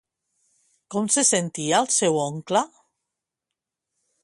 Com se sentia el seu oncle?